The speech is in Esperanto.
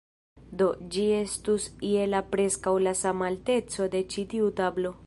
Do, ĝi estus je la preskaŭ la sama alteco de ĉi tiu tablo